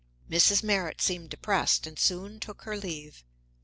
Mrs. Merritt seemed depressed, and soon took her leave.